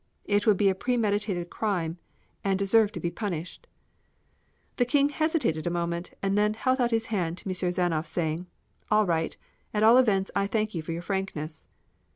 It would be a premeditated crime, and deserve to be punished." The King hesitated a moment, and then held out his hand to M. Zanoff, saying: "All right. At all events I thank you for your frankness."